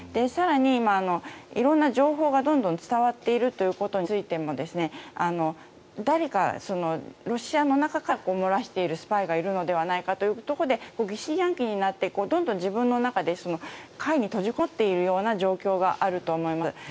更に、色んな情報がどんどん伝わっているということについても誰かロシアの中から漏らしているスパイがいるのではないかということで疑心暗鬼になってどんどん自分の中で殻に閉じこもっているような状況があると思います。